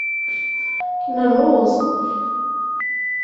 Nelluẓ.